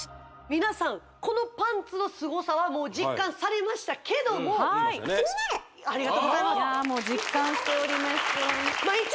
皆さんこのパンツのすごさはもう実感されましたけどもありがとうございますいやあもう実感しております